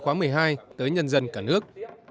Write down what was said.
khóa một mươi hai tới nhân dân cả nước